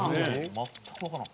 全くわからん。